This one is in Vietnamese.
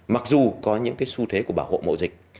mặc dù có những cái xu thế của bảo hộ mộ dịch